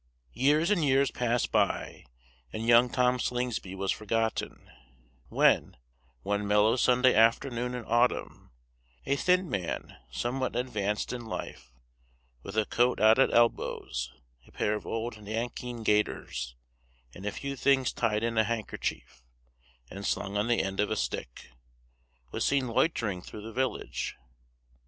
Years and years passed by, and young Tom Slingsby was forgotten: when, one mellow Sunday afternoon in autumn, a thin man, somewhat advanced in life, with a coat out at elbows, a pair of old nankeen gaiters, and a few things tied in a handkerchief, and slung on the end of a stick, was seen loitering through the village.